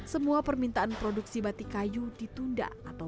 semua permintaan produksi batik kayu ditunda atau bahkan dibatasi